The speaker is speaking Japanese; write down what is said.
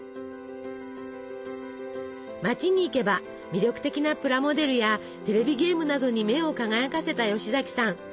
街に行けば魅力的なプラモデルやテレビゲームなどに目を輝かせた吉崎さん。